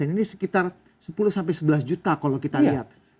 ini sekitar sepuluh sampai sebelas juta kalau kita lihat